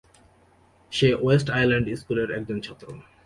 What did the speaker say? সে West Island school এর একজন ছাত্র।